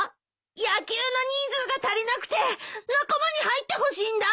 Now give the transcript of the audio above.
野球の人数が足りなくて仲間に入ってほしいんだ。